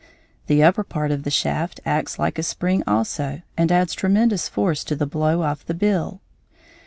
The upper part of the shaft acts like a spring also, and adds tremendous force to the blow of the bill.